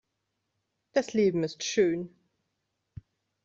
Das Leben ist schön!